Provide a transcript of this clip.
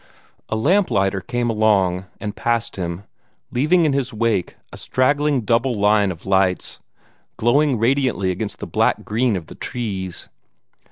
A lamp lighter came along, and passed him, leaving in his wake a straggling double line of lights, glowing radiantly against the black green of the trees.